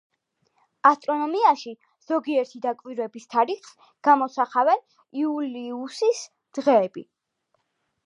ასტრონომიაში ზოგიერთი დაკვირვების თარიღს გამოსახავენ იულიუსის დღეები.